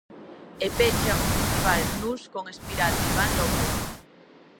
E pecha o festival Nus con "Espiral" de Iván López.